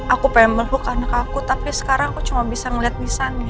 aku pengen meluk anak aku tapi sekarang aku cuma bisa ngeliat wisannya